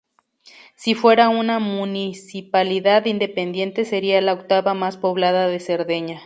Si fuera una Municipalidad independiente sería la octava más poblada de Cerdeña.